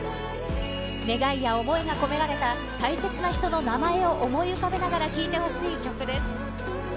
願いや思いが込められた大切な人の名前を思い浮かべながら聴いてほしい曲です。